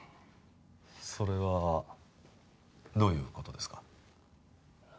それはどういうことですか？